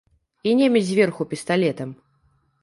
І немец зверху пісталетам.